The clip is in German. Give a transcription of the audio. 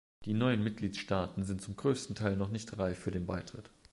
Die neuen Mitgliedstaaten sind zum größten Teil noch nicht reif für den Beitritt.